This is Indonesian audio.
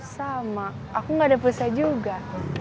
sama aku gak ada pulsa juga